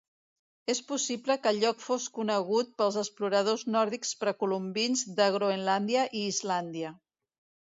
És possible que el lloc fos conegut pels exploradors nòrdics precolombins de Groenlàndia i Islàndia.